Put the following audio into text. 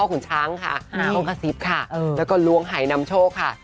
ขุนช้างค่ะน้องกระซิบค่ะเออแล้วก็ล้วงไห่นำโชคค่ะ